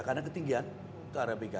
karena ketinggian itu arabica